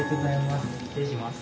失礼します。